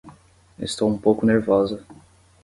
Estou um pouco nervosa